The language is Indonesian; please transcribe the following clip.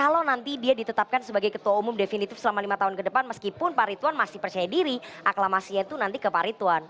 kalau nanti dia ditetapkan sebagai ketua umum definitif selama lima tahun ke depan meskipun pak ritwan masih percaya diri aklamasinya itu nanti ke pak ritwan